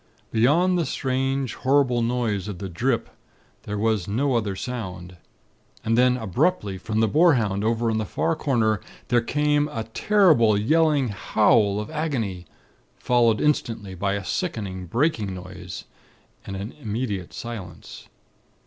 Beyond the strange horrible noise of the 'drip,' there was no other sound. And then, abruptly, from the boarhound over in the far corner, there came a terrible yelling howl of agony, followed instantly by a sickening, breaking noise, and an immediate silence.